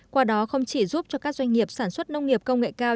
qua đó không chỉ giúp cho các doanh nghiệp sản xuất nông nghiệp công nghệ cao